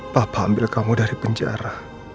papa ambil kamu dari penjara